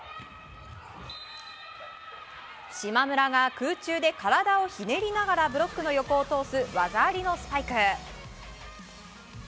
島村が、空中で体をひねりながらブロックの横を通す技ありのスパイク。